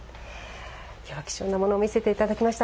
今日は、貴重なものを見せていただきました。